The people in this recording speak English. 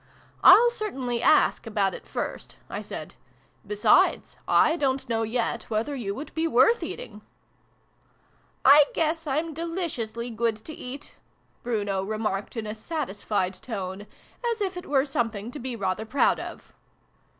" I'll certainly ask about it, first," I said. " Be sides, I don't know yet whether you would be worth eating !"" I guess I'm deliriously good to eat," Bruno remarked in a satisfied tone, as if it were some thing to be rather proud of.